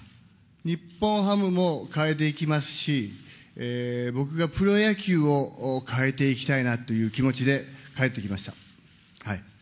日本ハムも変えていきますし、僕がプロ野球を変えていきたいなという気持ちで帰ってきました。